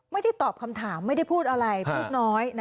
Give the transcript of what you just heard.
ไม่ได้ตอบคำถามไม่ได้พูดอะไรพูดน้อย